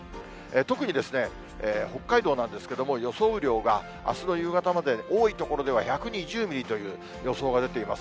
特に北海道なんですけども、予想雨量があすの夕方まで、多い所では１２０ミリという予想が出ています。